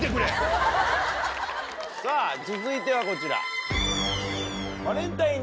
さぁ続いてはこちら。